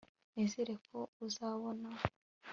nizere ko uzabona